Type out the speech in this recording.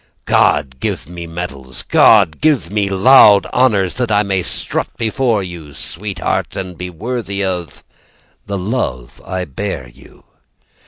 God give me medals, God give me loud honors, That I may strut before you, sweetheart, And be worthy of The love I bear you.